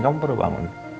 kamu perlu bangun